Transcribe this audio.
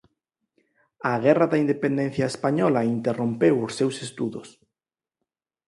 A Guerra da Independencia española interrompeu os seus estudos.